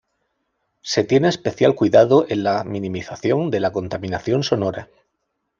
Se tiene especial cuidado en la minimización de la contaminación sonora.